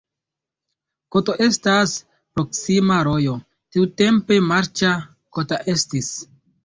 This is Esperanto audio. Koto estas proksima rojo, tiutempe marĉa, kota estis.